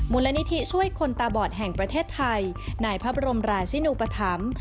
มูลนิธิช่วยคนตาบอดแห่งประเทศไทยในพระบรมราชินุปธรรม